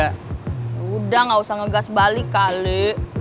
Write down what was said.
udah gak usah ngegas balik kali